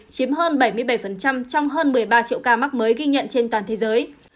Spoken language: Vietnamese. chiếm hơn bảy mươi bảy trong hơn một mươi ba triệu ca mắc mới ghi nhận trên toàn thế giới